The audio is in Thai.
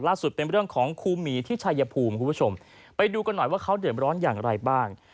ล่าสุดเป็นเรื่องของครูหมีที่ชัยภูมิที่จะอย่างไรบ้าง